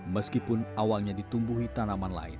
meskipun awalnya ditumbuhi tanaman lain